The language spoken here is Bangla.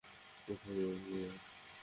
উঠো, জেভিয়ার।